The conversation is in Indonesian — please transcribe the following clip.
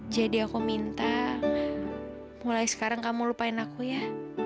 jadi aku minta mulai sekarang kamu lupain aku ya